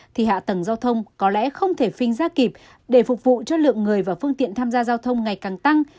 thì hạ tầng giao thông có lẽ không thể phinh ra kịp để phục vụ cho lượng người và phương tiện tham gia giao thông ngày càng tăng